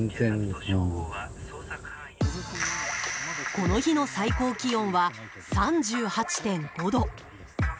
この日の最高気温は３８５度。